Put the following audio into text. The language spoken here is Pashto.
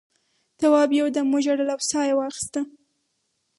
تواب یو دم وژړل او سا یې واخیسته.